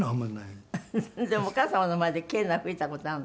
でもお母様の前でケーナ吹いた事あるの？